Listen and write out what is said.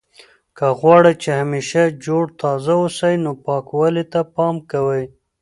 که غواړئ چې همیشه جوړ تازه اوسئ نو پاکوالي ته پام کوئ.